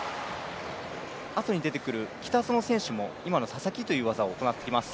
あとに出てくる北園選手も今のササキという技を行ってきます。